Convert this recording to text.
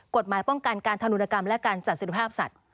กฎหมายป้องกันการธนุนกรรมและการจัดเสร็จภาพสัตว